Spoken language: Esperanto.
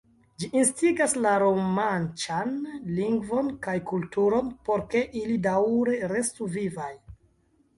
Ĝi instigas la romanĉan lingvon kaj kulturon, por ke ili daŭre restu vivaj.